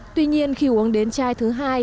tuy nhiên khi uống đến chai thứ hai